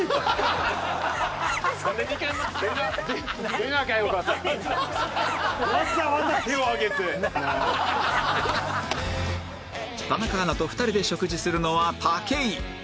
田中アナと２人で食事するのは武井